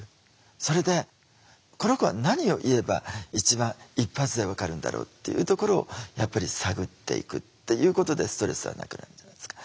それでこの子は何を言えば一番一発で分かるんだろうっていうところをやっぱり探っていくっていうことでストレスはなくなるじゃないですか。